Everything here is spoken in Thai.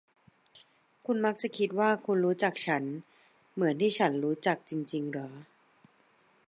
คุณมักจะคิดว่าคุณรู้จักฉันเหมือนที่ฉันรู้จักจริง ๆ เหรอ ?